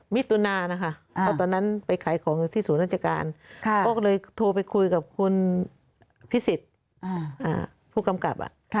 มิถุนานะคะเพราะตอนนั้นไปขายของอยู่ที่ศูนย์ราชการก็เลยโทรไปคุยกับคุณพิสิทธิ์ผู้กำกับ